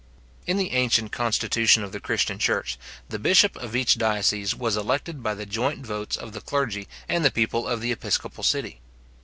In the ancient constitution of the Christian church, the bishop of each diocese was elected by the joint votes of the clergy and of the people of the episcopal city.